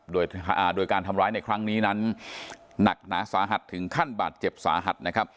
โดยการทำร้ายในครั้งนี้นั้นหนักหนาสาหัสถึงขั้นบาดเจ็บสาหัสนะครับ